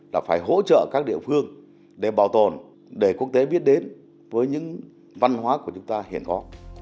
là phải hỗ trợ các địa phương để bảo tồn để quốc tế biết đến với những văn hóa của chúng ta hiện có